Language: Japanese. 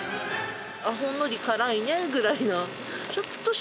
ほんのり辛いねぐらいの。